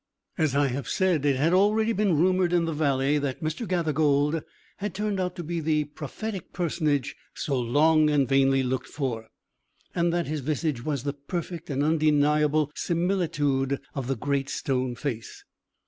As I have said above, it had already been rumoured in the valley that Mr. Gathergold had turned out to be the prophetic personage so long and vainly looked for, and that his visage was the perfect and undeniable similitude of the Great Stone Face.